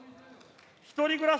一人暮らし